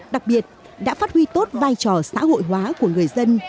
đặc biệt đã phát huy tốt vai trò xã hội hóa của người dân